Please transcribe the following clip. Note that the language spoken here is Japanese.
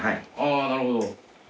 あーなるほど。